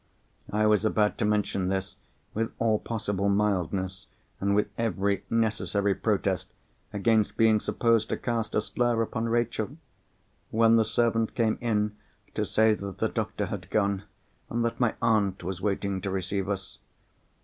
I was about to mention this, with all possible mildness, and with every necessary protest against being supposed to cast a slur upon Rachel—when the servant came in to say that the doctor had gone, and that my aunt was waiting to receive us.